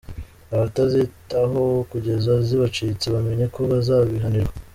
Abatazitaho kugeza zibacitse bamenye ko bazabihanirwa.